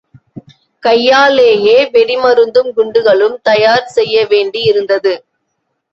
கையாலேயே வெடிமருந்தும் குண்டுகளும் தயார் செய்யவேண்டி இருந்தது.